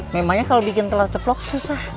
memangnya kalau bikin telur ceplok susah